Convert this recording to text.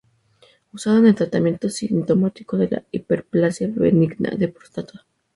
Usado en el tratamiento sintomático de la Hiperplasia benigna de próstata.